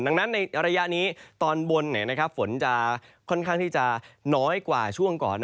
ดังนั้นในระยะนี้ตอนบนฝนจะค่อนข้างที่จะน้อยกว่าช่วงก่อน